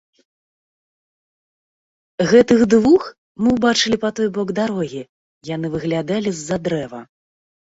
Гэтых двух мы ўбачылі па той бок дарогі, яны выглядалі з-за дрэва.